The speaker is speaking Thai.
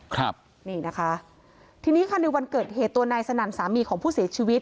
ครับนี่นะคะทีนี้ค่ะในวันเกิดเหตุตัวนายสนั่นสามีของผู้เสียชีวิต